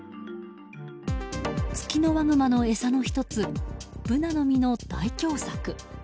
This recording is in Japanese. ツキノワグマの餌の１つブナの実の大凶作。